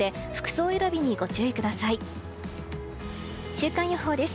週間予報です。